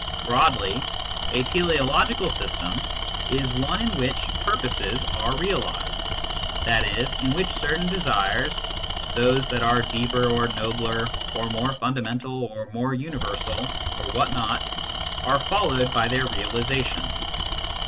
Broadly, a teleological system is one in which purposes are realised, i.e. in which certain desires those that are deeper or nobler or more fundamental or more universal or what not are followed by their realisation.